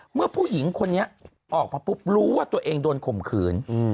ผู้หญิงคนนี้ออกมาปุ๊บรู้ว่าตัวเองโดนข่มขืน